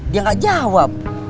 dia gak jawab